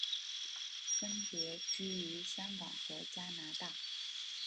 分别居于香港和加拿大。